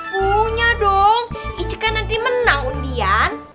punya dong iji kan nanti menang undian